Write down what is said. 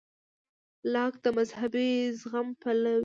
لاک د مذهبي زغم پلوی و.